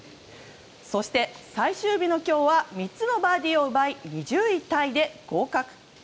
そして最終日の今日は３つのバーディーを奪い２０位タイで合格。